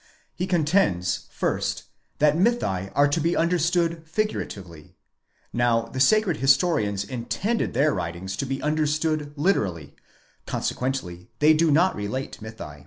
He contends, 1st, that mythi are to be understood figuratively; now the sacred historians intended their writings to be understood literally : conse quently they do not relate mythi.